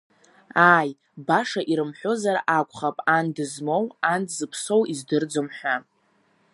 Ааи, баша ирымҳәозар акәхап ан дызмоу, ан дзыԥсоу издырӡом ҳәа.